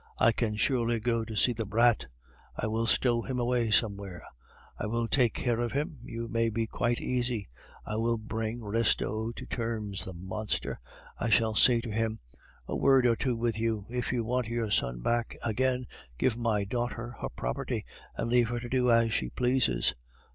I can surely go to see the brat! I will stow him away somewhere; I will take care of him, you may be quite easy. I will bring Restaud to terms, the monster! I shall say to him, 'A word or two with you! If you want your son back again, give my daughter her property, and leave her to do as she pleases.